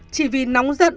chỉ vì nóng giận